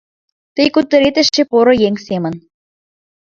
Тый кутырет эше поро еҥ семын: